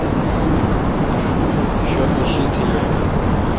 شردہ شیتھ یے۔